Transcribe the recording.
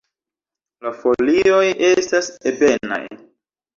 La folioj estas ebenaj.